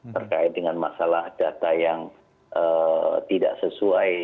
terkait dengan masalah data yang tidak sesuai